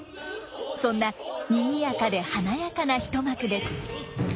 そんなにぎやかで華やかな一幕です。